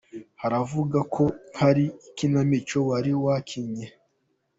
Hari abavuga ko ari ikinamico wari wakinnye.